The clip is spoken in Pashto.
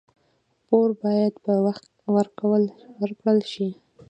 پور باید په وخت ورکړل شي.